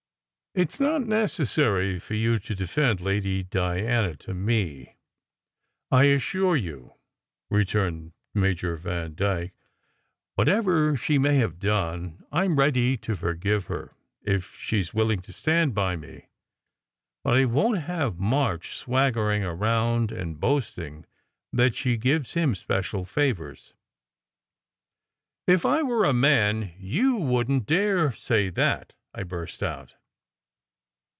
" It s not necessary for you to defend Lady Diana to me, 104 SECRET HISTORY I assure you," returned Major Vandyke. "Whatever she may have done, I m ready to forgive her, if she s willing to stand by me. But I won t have March swaggering around and boasting that she gives him special favours." "If I were a man you wouldn t dare say that!" I burst out.